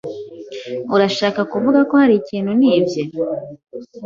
Urashaka kuvuga ko hari ikintu nibye?